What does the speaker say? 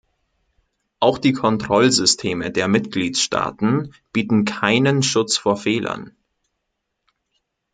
Auch die Kontrollsysteme der Mitgliedstaaten bieten keinen Schutz vor Fehlern.